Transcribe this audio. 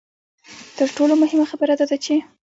تر ټولو مهمه خبره دا ده چې.